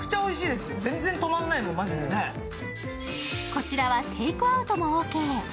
こちらはテイクアウトもオーケー。